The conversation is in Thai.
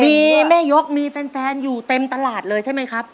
มีแม่ยกมีแฟนอยู่เต็มตลาดเลยใช่ไหมครับ